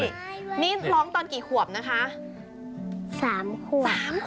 นี่ร้องตอนกี่ขวบนะคะ